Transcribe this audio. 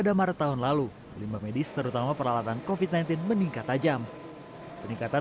yang berasal dari rumah sakit dan fasilitas kesehatan